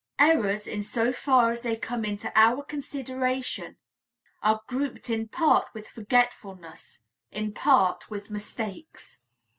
Errors, in so far as they come into our consideration, are grouped in part with forgetfulness, in part with mistakes.